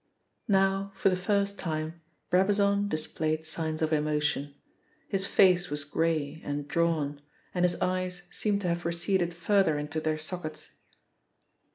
Now, for the first time, Brabazon displayed signs of emotion. His face was grey and drawn and his eyes seemed to have receded further into their sockets.